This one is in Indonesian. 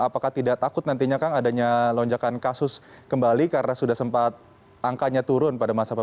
apakah tidak takut nantinya kang adanya lonjakan kasus kembali karena sudah sempat angkanya turun pada masa pandemi